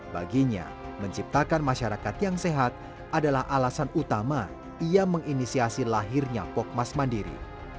baginya menciptakan masyarakat yang sehat adalah alasan utama ia menginisiasi lahirnya pokmas mandiri